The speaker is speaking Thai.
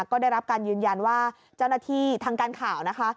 ก็ได้รับการยืนยันว่าเจ้าหน้าที่ทางการข่าวนะคะ